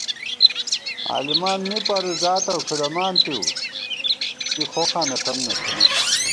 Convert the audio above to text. عالِمان می پروزاتہ کھُدَمانتِؤ کی خوخانہ ݪم نہ تھنہ